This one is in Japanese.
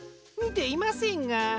みていませんが。